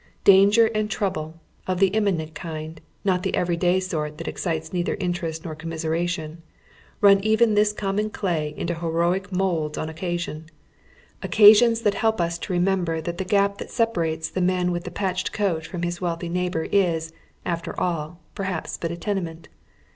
Danger and trouble — of the imminent kind, not the every day sort that excites neither interest nor commiseration — run even this common clay into heroic moulds on occa sion ; occasions that help us to remember that the gap that separates the man with the patched coat from liis wealthy neighbor is, after all, perhaps but a tenement.